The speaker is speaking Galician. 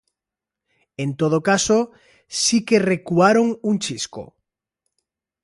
En todo caso, si que recuaron un chisco.